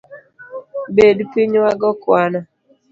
Bed piny wago kwano.